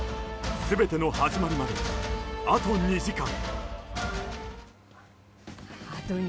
全ての始まりまであと２時間。